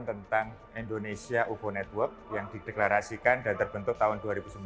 tentang indonesia over network yang dideklarasikan dan terbentuk tahun dua ribu sembilan belas